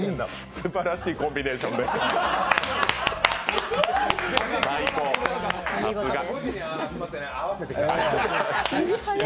すばらしいコンビネーションで最高、さすが。